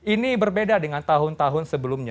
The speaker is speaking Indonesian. ini berbeda dengan tahun tahun sebelumnya